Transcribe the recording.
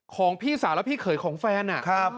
ของพี่สาวและพี่เขยของแฟน